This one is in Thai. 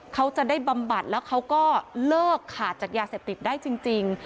เขาจะได้บำบัดแล้วเขาก็เลิกขาดจากยาเสพติดได้จริง